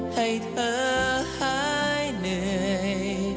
ให้เธอหายเหนื่อย